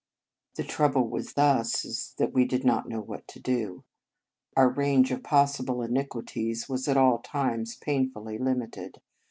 The trouble with us was that we did not know what to do. Our range of possible iniquities was at all times painfully limited.